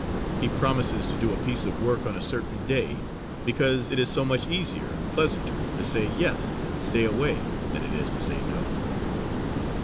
He promises to do a piece of work on a certain day, because it is so much easier and pleasanter to say Yes, and stay away, than it is to say No.